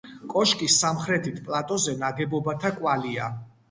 კოშკის სამხრეთით პლატოზე ნაგებობათა კვალია.